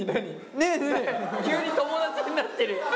急に友達になってる。